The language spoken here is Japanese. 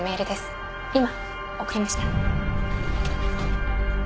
今送りました。